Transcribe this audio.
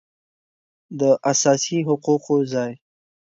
داساسي حقوقو ځای